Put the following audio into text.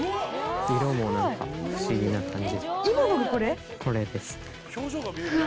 色も何か不思議な感じ。